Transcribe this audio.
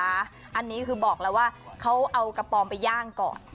อันนี้คือบอกแล้วว่าเขาเอากระป๋องไปย่างก่อน